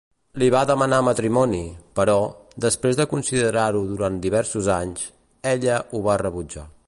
Li va demanar matrimoni, però, després de considerar-ho durant diversos anys, ella ho va rebutjar.